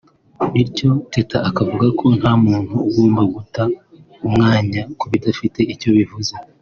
Bityo Teta akavuga ko nta muntu ugomba guta umwanya ku bidafite icyo bivuze